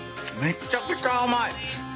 めっちゃくちゃ甘い。